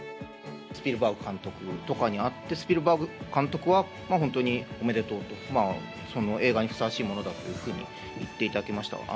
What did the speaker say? スピルバーグ監督とかに会って、スピルバーグ監督は、本当におめでとうと、その映画にふさわしいものだというふうに言っていただきました。